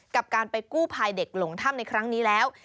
กับการไปกู้ภัยเด็กหลงถ้ำในครั้งนี้แล้ว